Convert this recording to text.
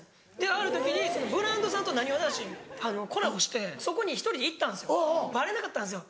ある時にブランドさんとなにわ男子コラボしてそこに１人で行ったんですよバレなかったんですよ。